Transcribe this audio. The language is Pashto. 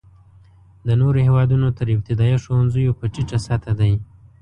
د نورو هېوادونو تر ابتدایه ښوونځیو په ټیټه سطحه دی.